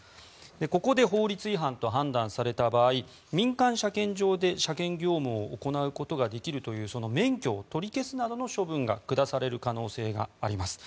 ここで法律違反と判断された場合民間車検場で車検業務を行うことができるというその免許を取り消すなどの処分が下される可能性があります。